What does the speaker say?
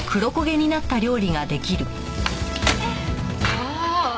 ああ。